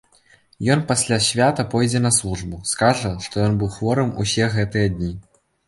Ён пасля свята пойдзе на службу, скажа, што ён быў хворым усе гэтыя дні.